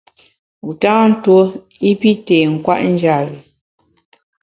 Wu tâ ntuo i pi tê nkwet njap bi.